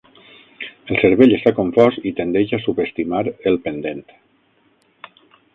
El cervell està confós i tendeix a subestimar el pendent.